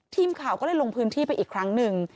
ทีมข่าวก็เลยลงพื้นที่ไปอีกครั้งหนึ่ง